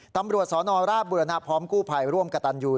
ตำรวจสนราชบุรณะพร้อมกู้ภัยร่วมกับตันยู